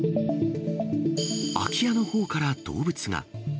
空き家のほうから動物が。